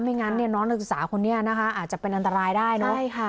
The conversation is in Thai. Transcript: ไม่งั้นนี่น้องลูกสาวคนนี้นะคะอาจจะเป็นอันตรายได้เนอะใช่ค่ะ